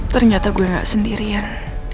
ternyata gue nggak sendirian